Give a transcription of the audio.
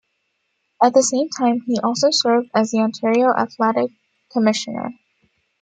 At the same time, he also served as the Ontario Athletic Commissioner.